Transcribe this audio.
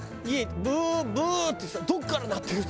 ブーブーってさどこから鳴ってる？